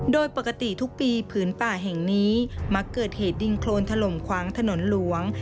โดยปกติทุกปีผืนป่าแห่งนี้มักเกิดเหตุดินโครนถล่มขวางถนนหลวง